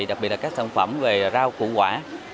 đặc biệt là các sản phẩm về rau củ quả